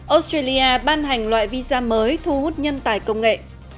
australia ban hành loại visa mới thu hút nhân tài công nghệ